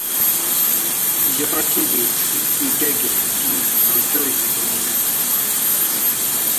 Ìjọ̀ba kede Ẹtì gẹ́gẹ bi ọjọ́ ìsìnmi tuntun.